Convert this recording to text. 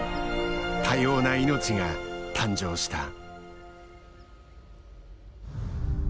多様な命が誕生した。